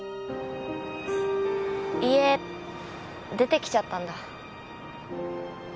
家出てきちゃったんだ？